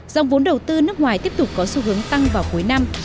dòng vốn đầu tư nước ngoài tiếp tục có xu hướng tăng vào cuối năm